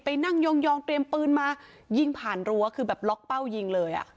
นั่งยองเตรียมปืนมายิงผ่านรั้วคือแบบล็อกเป้ายิงเลยอ่ะ